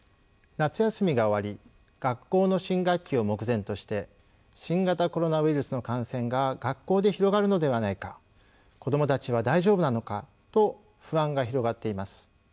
夏休みが終わり学校の新学期を目前として新型コロナウイルスの感染が学校で広がるのではないか子どもたちは大丈夫なのかと不安が広がっています。